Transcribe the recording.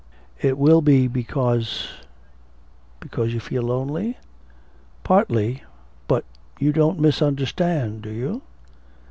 It will be because ' 'Because you feel lonely?' 'Partly. But you don't misunderstand, do you?'